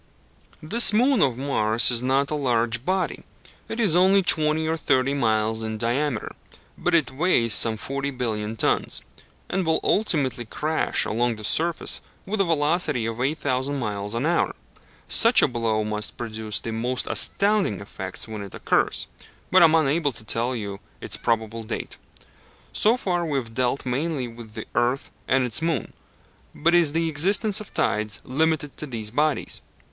This moon of Mars is not a large body: it is only twenty or thirty miles in diameter, but it weighs some forty billion tons, and will ultimately crash along the surface with a velocity of 8,000 miles an hour. Such a blow must produce the most astounding effects when it occurs, but I am unable to tell you its probable date. So far we have dealt mainly with the earth and its moon; but is the existence of tides limited to these bodies?